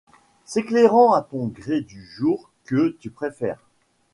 T'éclairant à ton gré du -jour que. tu préfères